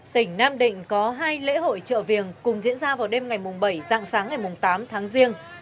tỉnh nam định có hai lễ hội chợ viềng cùng diễn ra vào đêm ngày bảy dạng sáng ngày tám tháng riêng